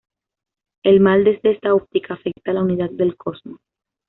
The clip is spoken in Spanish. El mal desde esta óptica afecta a la unidad del cosmos.